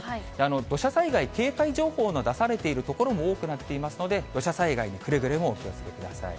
土砂災害警戒情報の出されている所も多くなっていますので、土砂災害にくれぐれもお気をつけください。